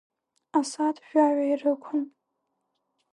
Асааҭ жәаҩа ирықәын.